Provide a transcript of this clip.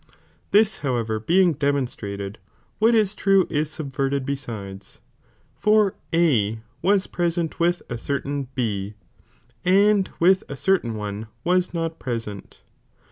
This however being demonstrated, what is true is aubverled besides, for A was present with a certain B, and with a cer I tain one was not present.